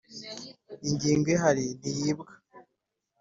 ingingo ihari ntiyibwa,